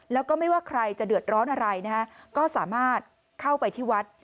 แล้วก็ไม่ว่าใครจะเดือดร้อนอะไรนะฮะก็สามารถเข้าไปที่วัด